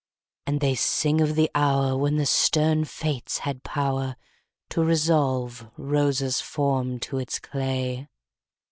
And they sing of the hour When the stern fates had power To resolve Rosa's form to its clay.